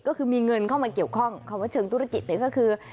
ก็คือมีเงินเข้ามาเกี่ยวข้องคำว่าเชิงธุรกิจเนี่ยก็คือ